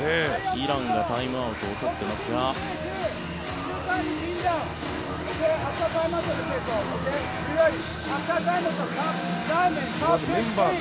イランがタイムアウトを取ってますが。